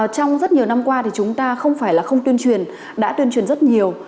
trong rất nhiều năm qua thì chúng ta không phải là không tuyên truyền đã tuyên truyền rất nhiều